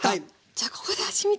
じゃあここで味みて。